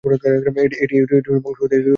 এটি বংশগত।